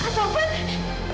kak taufan kak